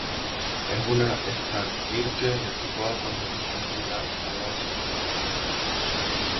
Es una stavkirke de tipo A con disposición similar a una basílica.